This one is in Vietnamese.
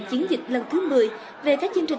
chiến dịch lần thứ một mươi về các chương trình